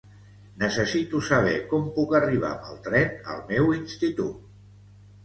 Necessito saber com puc arribar amb el tren al meu institut.